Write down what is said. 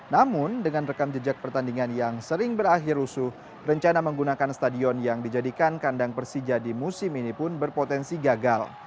namun dengan rekam jejak pertandingan yang sering berakhir rusuh rencana menggunakan stadion yang dijadikan kandang persija di musim ini pun berpotensi gagal